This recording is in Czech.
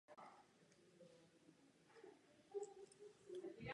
Patrně se podílel na založení dominikánského konventu v Beauvais.